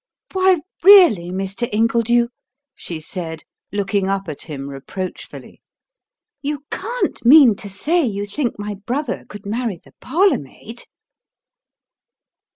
"Why, really, Mr. Ingledew," she said, looking up at him reproachfully, "you can't mean to say you think my brother could marry the parlour maid!"